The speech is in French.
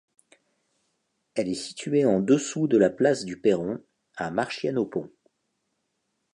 Elle est située en dessous de la place du Perron à Marchienne-au-Pont.